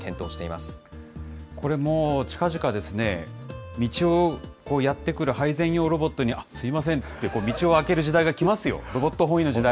これ、もうちかぢかですね、道をやって来る配膳用ロボットに、すみませんって道をあける時代が本当ですよね。